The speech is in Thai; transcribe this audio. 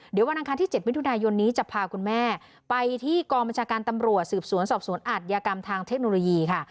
เดี๋ยววันอังคารที่๗มิถุนายนนี้จะพาคุณแม่ไปที่กองบัญชาการตำรวจสืบสวนสอบสวนอาทยากรรมทางเทคโนโลยีค่ะ